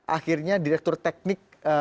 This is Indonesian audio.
akhirnya direktur teknik